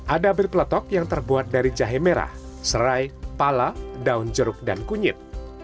ada bir peletok yang terbuat dari jahe merah serai pala daun jeruk dan kunyit